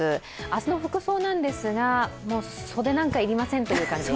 明日の服装なんですが袖なんか要りませんという感じ。